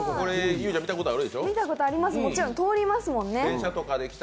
見たことあります、通りますもんね。